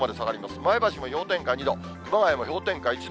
前橋も氷点下２度、熊谷も氷点下１度。